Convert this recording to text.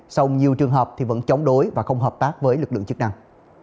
sau nhiều trường hợp thì vẫn chống đối và không hợp tác với lực lượng chức năng